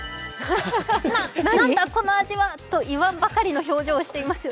なんだこの味は？と言わんばかりの表情をしています。